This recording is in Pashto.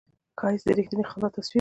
ښایست د رښتینې خندا تصویر دی